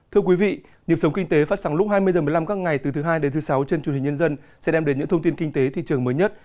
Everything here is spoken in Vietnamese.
thưa quý vị nhiệm sống kinh tế phát sóng lúc hai mươi h một mươi năm các ngày từ thứ hai đến thứ sáu trên truyền hình nhân dân sẽ đem đến những thông tin kinh tế thị trường mới nhất